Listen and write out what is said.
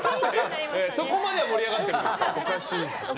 そこまでは盛り上がってるんですよ。